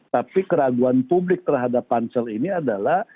tapi keraguan publik terhadap pansel ini adalah